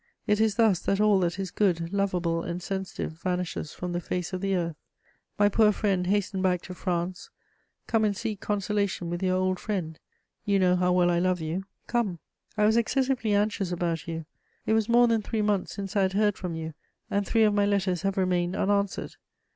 It is thus that all that is good, lovable and sensitive vanishes from the face of the earth. My poor friend, hasten back to France; come and seek consolation with your old friend. You know how well I love you: come. "I was excessively anxious about you: it was more than three months since I had heard from you, and three of my letters have remained unanswered.